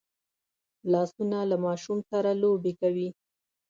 لاسونه له ماشوم سره لوبې کوي